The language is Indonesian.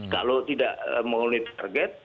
kalau tidak mengunit target